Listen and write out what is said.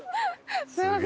すみません。